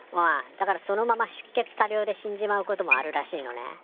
だからそのまま出血多量で死んじまうこともあるらしいのね。